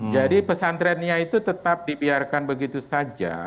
jadi pesantrennya itu tetap dibiarkan begitu saja